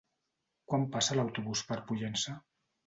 Quan passa l'autobús per Pollença?